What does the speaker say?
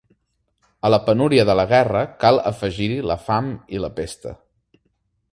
A la penúria de la guerra cal afegir-hi la fam i la Pesta.